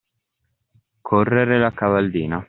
Correre la cavallina.